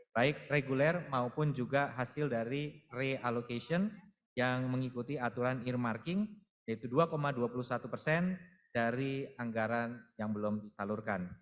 baik reguler maupun juga hasil dari realocation yang mengikuti aturan ear marking yaitu dua dua puluh satu persen dari anggaran yang belum disalurkan